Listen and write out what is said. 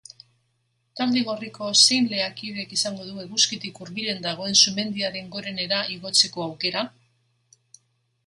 Talde gorriko zein lehiakidek izango du eguzkitik hurbilen dagoen sumendiaren gorenera igotzeko aukera?